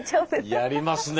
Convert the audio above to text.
やりますね。